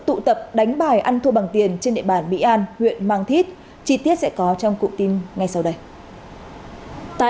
tụ tập đánh bài ăn thua bằng tiền trên địa bàn mỹ an huyện mang thít chi tiết sẽ có trong cụ tin ngay sau đây tại